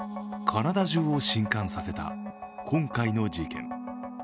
カナダ中を震撼させた今回の事件。